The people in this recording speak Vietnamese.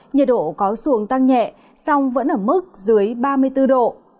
nhiệt độ có xu hướng tăng nhẹ sông vẫn ở mức dưới ba mươi bốn độ